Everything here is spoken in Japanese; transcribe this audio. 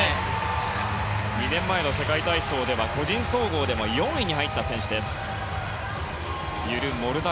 ２年前の世界体操では個人総合でも４位に入った選手です。